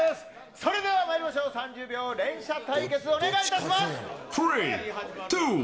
それではまいりましょう、３０秒連射対決、お願いいたします。